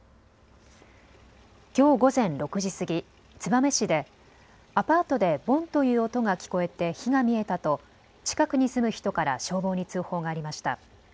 きょう午前６時過ぎ、燕市でアパートでボンという音が聞こえて火が見えたと近くに住む人から消防に通報がありました。